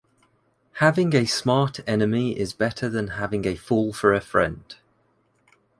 Having a smart enemy is better than having a fool for a friend.